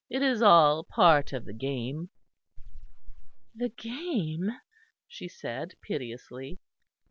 "It is all part of the game." "The game?" she said piteously.